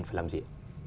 phải làm gì